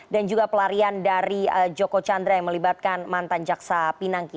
dan juga pelarian dari joko chandra yang melibatkan mantan jaksa pinangki